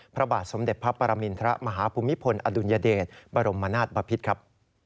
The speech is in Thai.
พระบาทสมเด็จพระปรมินทรมาฮภูมิพลอดุลยเดชบรมนาศบพิษครับ